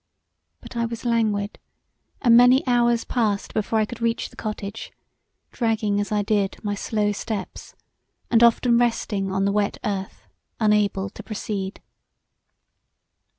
But I was languid and many hours passed before I could reach the cottage, dragging as I did my slow steps, and often resting on the wet earth unable to proceed.